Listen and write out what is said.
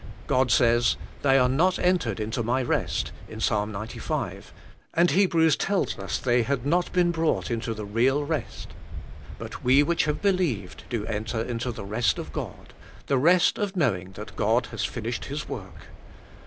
God says, They are not entered into my rest in Ps. 95, and Hebrews tells us they had not been brought into the real rest, *'But we which have believed do enter into the rest of God," the rest of knowing that God has finished His work.